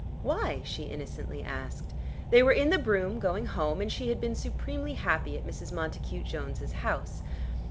"Why?" she innocently asked. They were in the brougham, going home, and she had been supremely happy at Mrs. Montacute Jones's house.